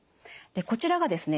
こちらがですね